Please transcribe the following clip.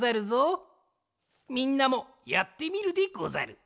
みんなもやってみるでござる！